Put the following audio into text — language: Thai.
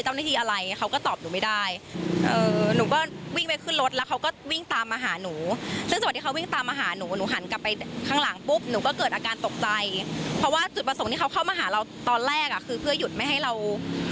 ส่วนการที่วินจอยอ้างว่าหากปฏิสุดใจวินก็ควรจะออกมาชี้แจงเรื่องนี้ด้วย